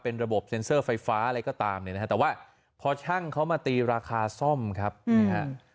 เป็นระบบเซ็นเซอร์ไฟฟ้าอะไรก็ตามเนี่ยนะฮะแต่ว่าพอช่างเขามาตีราคาซ่อมครับนะฮะ